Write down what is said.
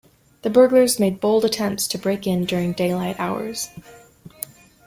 The burglars made bold attempts to break in during daylight hours.